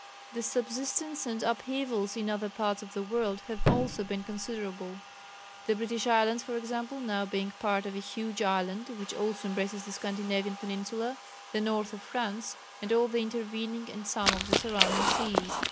The subsidences and upheavals in other parts of the world have also been considerable the British Islands for example, now being part of a huge island which also embraces the Scandinavian peninsula, the north of France, and all the intervening and some of the surrounding seas.